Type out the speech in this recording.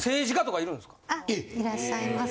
あいらっしゃいます。